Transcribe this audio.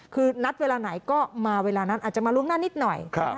คือนัดเวลาไหนก็มาเวลานั้นอาจจะมาล่วงหน้านิดหน่อย